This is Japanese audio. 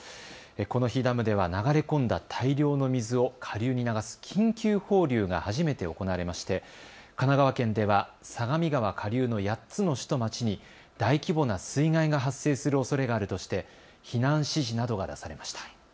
この日、ダムでは流れ込んだ大量の水を下流に流す緊急放流が初めて行われまして神奈川県では相模川下流の８つの市と町に大規模な水害が発生するおそれがあるとして避難指示などが出されました。